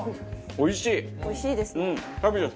おいしいですね。